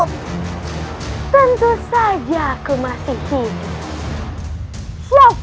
jika ada yang tak tapah heeftu ini asep